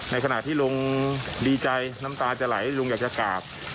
ขณะที่ลุงดีใจน้ำตาจะไหลลุงอยากจะกราบ